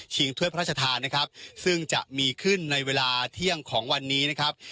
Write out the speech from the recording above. ถ้วยพระราชทานนะครับซึ่งจะมีขึ้นในเวลาเที่ยงของวันนี้นะครับ